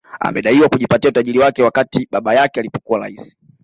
Amedaiwa kujipatia utajiri wake wakati baba yake alipokuwa rais